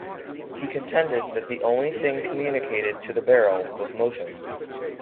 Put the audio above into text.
He contended that the only thing communicated to the barrel was motion.